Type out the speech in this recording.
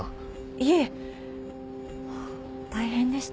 いえ大変でしたね。